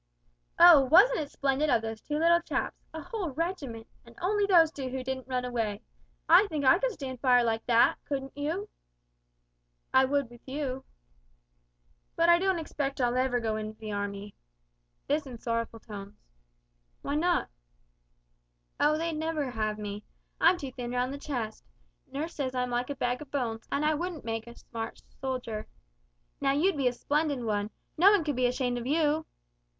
"Oh, wasn't it splendid of those two little chaps a whole regiment! And only those two who didn't run away! I think I could stand fire like that, couldn't you?" "I would with you." "But I don't expect I'll ever go into the army." This in sorrowful tones. "Why not?" "Oh, they'd never have me. I'm too thin round the chest; nurse says I'm like a bag of bones, and I wouldn't make a smart soldier. Now you'd be a splendid one, no one could be ashamed of you."